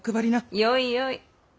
よいよい。